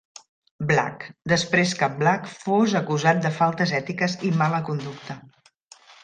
Black, després que Black fos acusat de faltes ètiques i mala conducta.